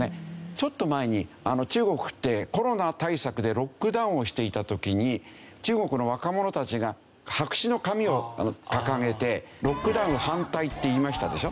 ちょっと前に中国ってコロナ対策でロックダウンをしていた時に中国の若者たちが白紙の紙を掲げて「ロックダウン反対」って言いましたでしょ？